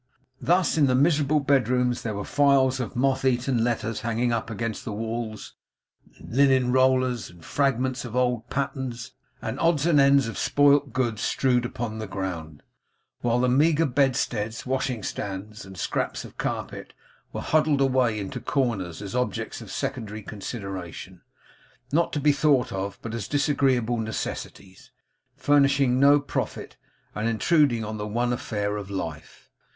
Thus in the miserable bedrooms there were files of moth eaten letters hanging up against the walls; and linen rollers, and fragments of old patterns, and odds and ends of spoiled goods, strewed upon the ground; while the meagre bedsteads, washing stands, and scraps of carpet, were huddled away into corners as objects of secondary consideration, not to be thought of but as disagreeable necessities, furnishing no profit, and intruding on the one affair of life.